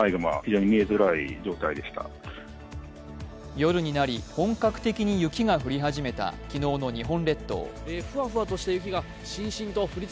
夜になり本格的に雪が降り始めた昨日の日本列島。